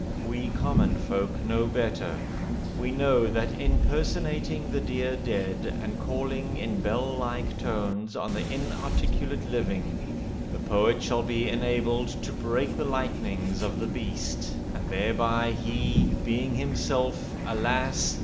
We common folk know better. We know that in personating the dear dead, and calling in bell like tones on the inarticulate living, the poet shall be enabled to break the lightnings of the Beast, and thereby he, being himself, alas!